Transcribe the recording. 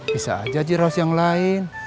bisa aja ciraus yang lain